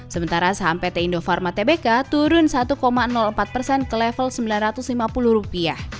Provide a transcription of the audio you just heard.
sementara saham pt indofarma tbk turun satu empat persen ke level rp sembilan ratus lima puluh